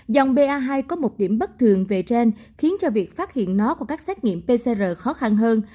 dòng ba hai có một điểm bất thường về trên khiến cho việc phát hiện nó của các xét nghiệm pcr khó khăn hơn